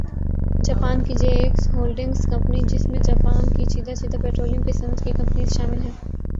Japan کی J X Holdings company جس میں جاپان کی چیدہ چیدہ پٹرولیم کی صنعت کی کمپنیز شامل ہیں